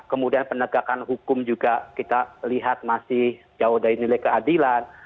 kemudian penegakan hukum juga kita lihat masih jauh dari nilai keadilan